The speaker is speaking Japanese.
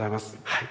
はい。